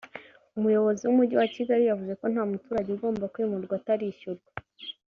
umuyobozi w’umujyi wa Kigali yavuze ko nta muturage ugomba kwimurwa atarishyurwa